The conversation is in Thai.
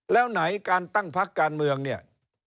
แล้วไหนการตั้งพักการเมืองเนี่ย